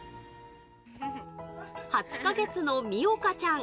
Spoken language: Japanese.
８か月のみおかちゃん。